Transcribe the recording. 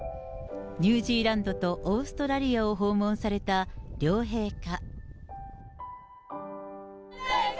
ニュージーランドとオーストラリアを訪問された両陛下。